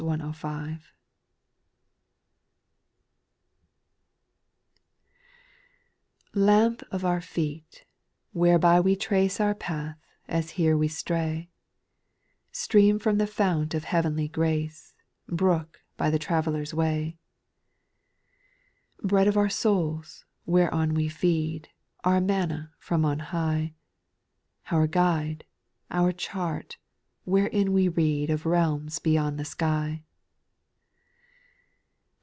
1* T AMP of our feet, whereby we trace Jj Our path, as here we stray ; Stream from the fount of heav'nly grace — Brook by the traveller's way. 2. Bread of our souls ! whereon we feed, Our manna from on high ; Our guide, our chart, wherein we read Of realms beyond the sky.